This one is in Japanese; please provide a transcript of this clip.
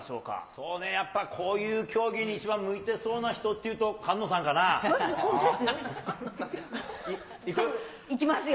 そうね、やっぱこういう競技に一番向いてそうな人っていうと、菅野さんかなんで？いきますよ。